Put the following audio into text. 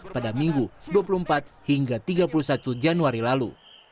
pada minggu dua puluh empat hingga tiga puluh satu januari lalu